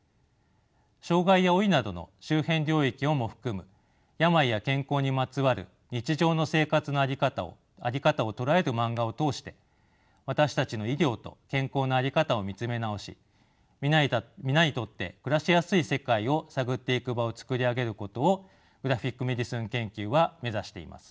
障がいや老いなどの周辺領域をも含む病や健康にまつわる日常の生活の在り方を捉えるマンガを通して私たちの医療と健康の在り方を見つめ直し皆にとって暮らしやすい世界を探っていく場を作り上げることをグラフィック・メディスン研究は目指しています。